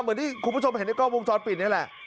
เหมือนที่คุณผู้ชมเห็นในกล้องวงจรปิดนี่แหละ